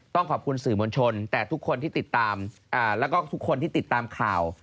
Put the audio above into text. ขอบคุณสื่อมวลชนแต่ทุกคนที่ติดตามแล้วก็ทุกคนที่ติดตามข่าว